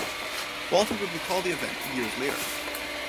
Walter would recall the event years later.